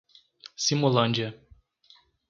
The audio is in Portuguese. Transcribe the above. Simolândia